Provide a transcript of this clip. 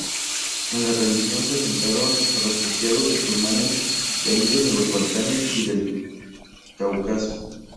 En la región se asentaron refugiados musulmanes venidos de los Balcanes y del Cáucaso.